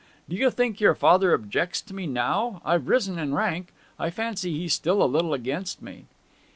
Do you think your father objects to me now? I've risen in rank. I fancy he's still a little against me.'